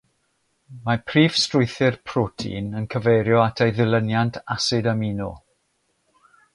Mae prif strwythur protein yn cyfeirio at ei ddilyniant asid amino.